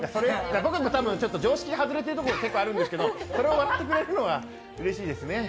常識はずれているところ結構あるんですけど、それを笑ってくれるのがうれしいですね。